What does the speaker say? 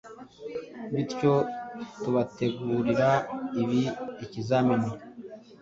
bityo tubategurira ibi ikizamini